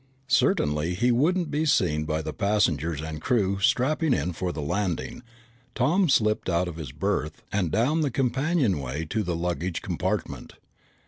Certain he wouldn't be seen by the passengers and crew strapped in for the landing, Tom slipped out of his berth and down the companionway to the luggage compartment.